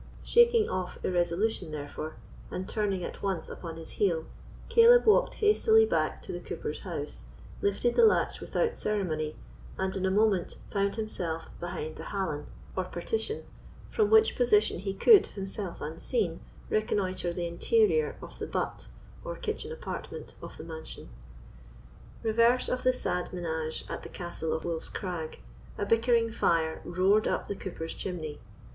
Shaking off irresolution, therefore, and turning at once upon his heel, Caleb walked hastily back to the cooper's house, lifted the latch without ceremony, and, in a moment, found himself behind the hallan, or partition, from which position he could, himself unseen, reconnoitre the interior of the but, or kitchen apartment, of the mansion. Reverse of the sad menage at the Castle of Wolf's Crag, a bickering fire roared up the cooper's chimney.